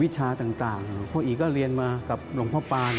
ชาต่างพ่ออีก็เรียนมากับหลวงพ่อปาน